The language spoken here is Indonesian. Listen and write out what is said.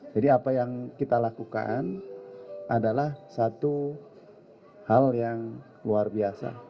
jadi apa yang kita lakukan adalah satu hal yang luar biasa